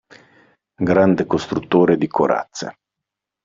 Grande costruttore di corazze.